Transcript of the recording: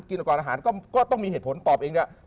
ก่อนอาหารก็ต้องมีเหตุผลตอบเองด้วย